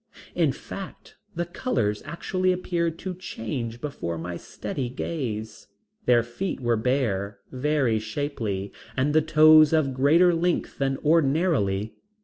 In fact the colors actually appeared to change before my steady gaze. Their feet were bare, very shapely, and the toes of greater length than ordinarily.